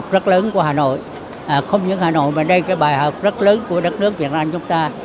bài hát rất lớn của hà nội không những hà nội mà đây cái bài hát rất lớn của đất nước việt nam chúng ta